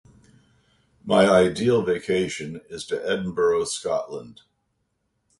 My ideal vacation is to Edinburgh, Scotland.